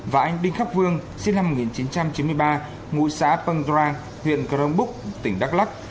và anh đinh khắc vương sinh năm một nghìn chín trăm chín mươi ba ngụ xã pâng ra huyện crong búc tỉnh đắk lắc